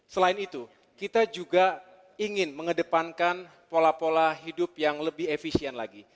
selain itu kita juga ingin mengedepankan pola pola hidup yang lebih efisien lagi